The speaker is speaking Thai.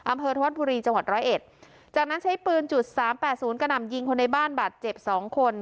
อำเภอธวัดบุรีจังหวัดร้อยเอ็ดจากนั้นใช้ปืนจุดสามแปดศูนย์กระหน่ำยิงคนในบ้านบาดเจ็บสองคน